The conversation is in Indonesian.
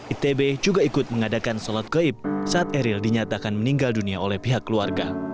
itb juga ikut mengadakan sholat gaib saat eril dinyatakan meninggal dunia oleh pihak keluarga